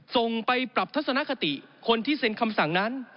ส่งไปปรับทัศนคติคนที่เซ็นคำสั่งนั้น